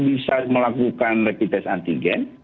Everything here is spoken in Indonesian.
bisa melakukan rapid test antigen